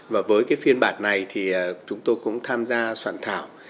và với phiên bản này chúng tôi cũng tham gia soạn thảo